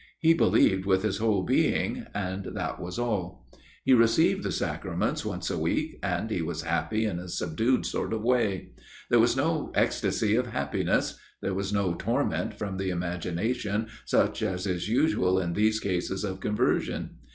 He believed with his whole being, THE FATHER RECTOR'S STORY 85 and that was all. He received the Sacraments once a week, and he was happy in a subdued kind of way. There was no ecstasy of happiness ; there was no torment from the imagination, such as is usual in these cases of conversion.